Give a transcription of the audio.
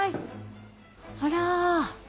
あら。